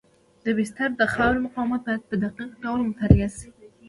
د بستر د خاورې مقاومت باید په دقیق ډول مطالعه شي